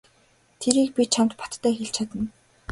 Тэрийг би чамд баттай хэлж чадна.